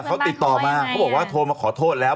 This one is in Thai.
เขาติดต่อมาเขาบอกว่าโทรมาขอโทษแล้ว